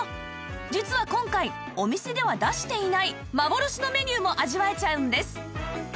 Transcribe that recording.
実は今回お店では出していない幻のメニューも味わえちゃうんです